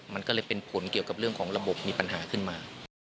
มันก็เลยเป็นผลเกี่ยวกับเรื่องของระบบมีปัญหาขึ้นมา